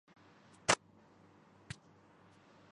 چنانچہ اب فتوے کا مطلب ہی علما کی طرف سے